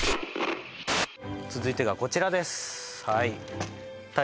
続いてがこちらです